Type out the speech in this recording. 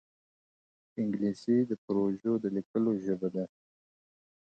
انګلیسي د پروژو د لیکلو ژبه ده